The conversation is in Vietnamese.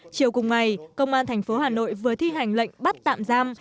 chiều cùng ngày công an thành phố hà nội vừa thi hành lệnh bắt tạm giam